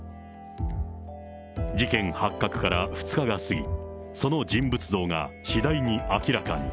事件発覚から２日が過ぎ、その人物像が次第に明らかに。